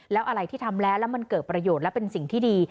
แล้วอะไรที่ทำแล้วแล้วมันเกิดประโยชน์และเป็นสิ่งที่ดี